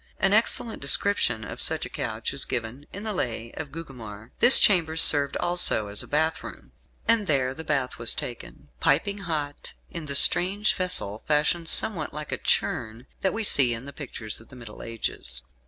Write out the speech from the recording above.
An excellent description of such a couch is given in "The Lay of Gugemar." This chamber served also as a bath room, and there the bath was taken, piping hot, in the strange vessel, fashioned somewhat like a churn, that we see in pictures of the Middle Ages.